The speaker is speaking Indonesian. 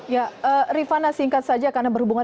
ya rifana singkat saja karena berhubungan